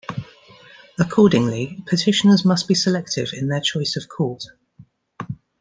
Accordingly, petitioners must be selective in their choice of court.